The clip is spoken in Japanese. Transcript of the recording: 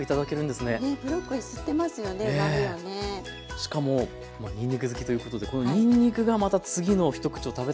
しかもにんにく好きということでこのにんにくがまた次の一口を食べたくなるというか。